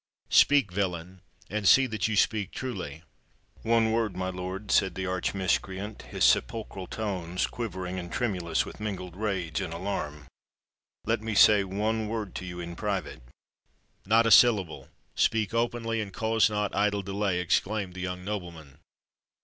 Speak, villain—and see that you speak truly!" "One word, my lord," said the arch miscreant, his sepulchral tones quivering and tremulous with mingled rage and alarm: "let me say one word to you in private!" "Not a syllable! Speak openly—and cause not idle delay," exclaimed the young nobleman.